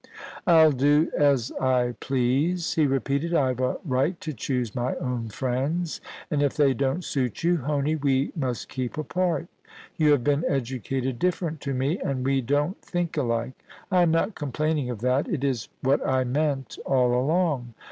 * ril do as I please,' he repeated. * I've a right to choose my own friends, and if they don't suit you, Honie, we must keep apart You have been educated different to me, and we don't think alike. I am not complaining of that ; it is what I meant all along.